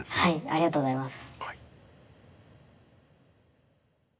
ありがとうございます。